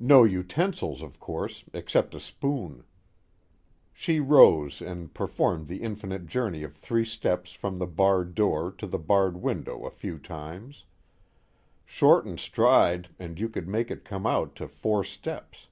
No utensils of course except a spoon. She rose and performed the infinite journey of three steps from the barred door to the barred window a few times: shorten stride and you could make it come out to four steps.